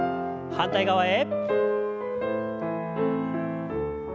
反対側へ。